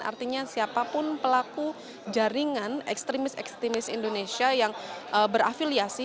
artinya siapapun pelaku jaringan ekstremis ekstremis indonesia yang berafiliasi